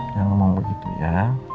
jangan ngomong begitu ya